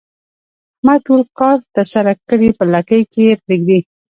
احمد ټول کار ترسره کړي په لکۍ کې یې پرېږدي.